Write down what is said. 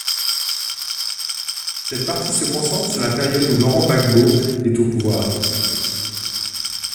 Cette partie se concentre sur la période où Laurent Gbagbo est au pouvoir.